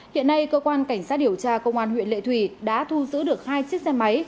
hiện nay cơ quan cảnh sát điều tra công an huyện lệ thủy đã thu giữ được hai chiếc xe máy